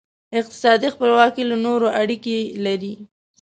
اقتصادي خپلواکي له نورو اړیکې لري.